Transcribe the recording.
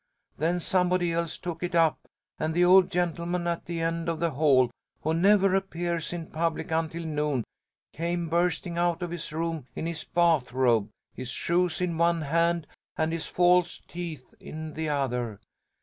Then somebody else took it up, and the old gentleman at the end of the hall, who never appears in public until noon, came bursting out of his room in his bath robe, his shoes in one hand and his false teeth in the other.